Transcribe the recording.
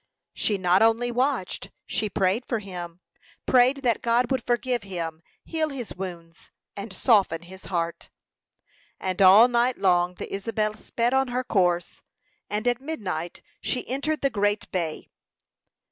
She not only watched; she prayed for him prayed that God would forgive him, heal his wounds, and soften his heart. And all night long the Isabel sped on her course, and at midnight she entered the great bay.